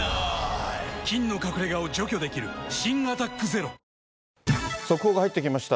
菌の隠れ家を除去できる新「アタックＺＥＲＯ」速報が入ってきました。